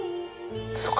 そうか。